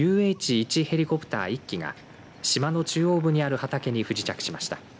１ヘリコプター１機が島の中央部にある畑に不時着しました。